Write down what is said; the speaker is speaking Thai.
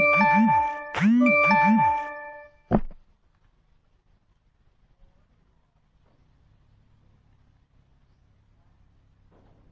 สวัสดีครับ